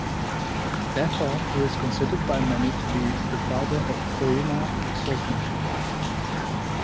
Therefore, he is considered by many to be the father of Toyama swordsmanship.